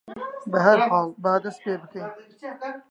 بەهەرحاڵ با دەست پێ بکەین.